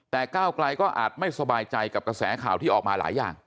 แต่ก้าวไกลก็อาจไม่สบายใจกับกระแสข่าวที่ออกมาหลายอย่าง